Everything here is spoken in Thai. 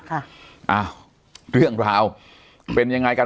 อ้าวเรื่องราวเป็นยังไงกัน